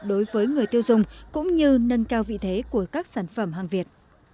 đối với người tiêu dùng cũng như nâng cao vị thế của các sản phẩm hàng việt